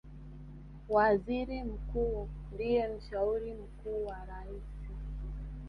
Waziri Mkuu ndiye mshauri mkuu wa Raisi